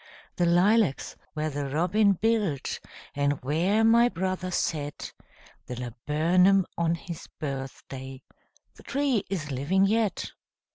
The lilacs where the robin built, And where my brother set The laburnum on his birthday, The tree is living yet!